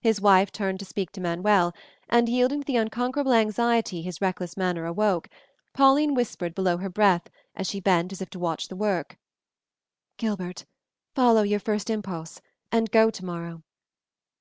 His wife turned to speak to Manuel, and, yielding to the unconquerable anxiety his reckless manner awoke, Pauline whispered below her breath as she bent as if to watch the work, "Gilbert, follow your first impulse, and go tomorrow."